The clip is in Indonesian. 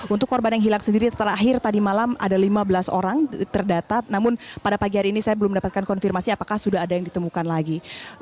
untuk korban yang hilang sendiri terakhir tadi malam ada lima belas orang terdata namun pada pagi hari ini saya belum mendapatkan konfirmasi apakah sudah ada yang ditemukan lagi